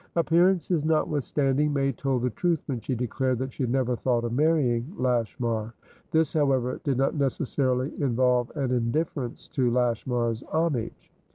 Appearances notwithstanding, May told the truth when she declared that she had never thought of marrying Lashmar. This, however, did not necessarily involve an indifference to Lashmar's homage.